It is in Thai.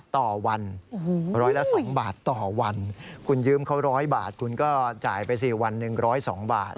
ต่อวัน๑๐๒บาทต่อวันคุณยืมเขา๑๐๐บาทคุณก็จ่ายไปสี่วันหนึ่ง๑๐๒บาท